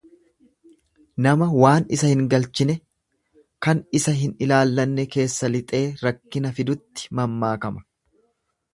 Nama waan isa hin galchine, kan isa hin ilaallanne keessa lixee rakkina fidutti mammaakama.